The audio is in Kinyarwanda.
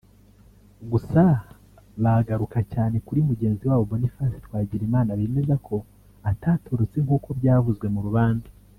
Gusa bagaruka cyane kuri mugenzi wabo Boniface Twagirimana bemeza ko atatorotse nk’uko byavuzwe mu rubanza